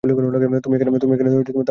তুমি এখানে তামিল ভাষায় কথা বলেছ।